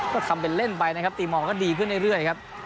ก็ทำเป็นเล่นไปนะครับตีมองก็ดีขึ้นเรื่อยครับ